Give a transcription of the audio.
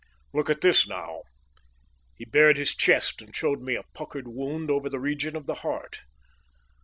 Look at this, now." He bared his chest and showed me a puckered wound over the region of the heart.